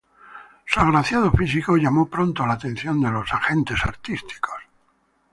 Su agraciado físico llamó pronto la atención de los agentes artísticos.